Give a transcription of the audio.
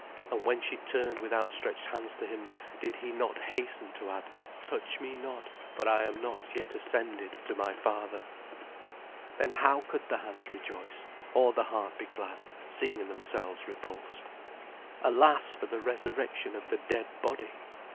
and when she turned with outstretched hands to him, did he not hasten to add, "Touch me not; for I am not yet ascended to my father." Then how could the hands rejoice, or the heart be glad, seeing themselves repulsed. Alas, for the resurrection of the dead body!